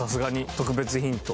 特別ヒント。